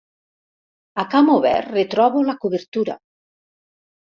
A camp obert retrobo la cobertura.